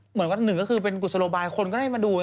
เหมือนกับหนึ่งก็คือเป็นกุศโลบายคนก็ได้มาดู